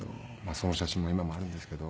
その写真も今もあるんですけど。